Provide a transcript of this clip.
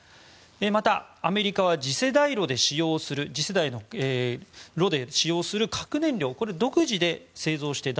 また、アメリカは次世代炉で使用する核燃料独自で製造して脱